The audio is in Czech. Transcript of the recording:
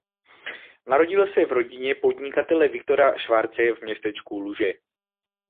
Narodil se v rodině podnikatele Viktora Schwarze v městečku Luže.